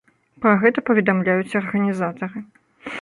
Пра гэта паведамляюць арганізатары.